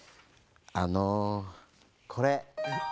あのこれ。